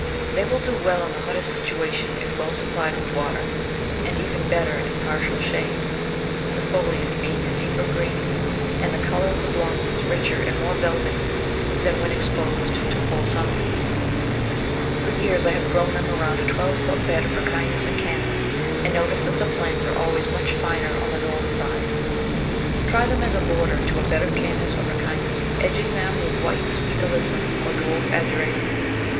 They will do well in the hottest situa tion if well supplied with water, and even better in partial shade — the foliage being a deeper green and the colour of the blossoms richer and more velvety than when exposed to full sunlight. For years I have Digitized by Google Ten] Bmtuate from &eet> ^ grown them around a twelve foot bed of Ricinus and Carinas, and notice that the plants are always much finer on the north side. Try them as a border to a bed of Cannas or Ricinus, edging them with white Sweet Alyssum or dwarf Ageratum.